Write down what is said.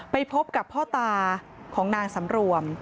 ไปพบกับพ่อตาของนางสำรวม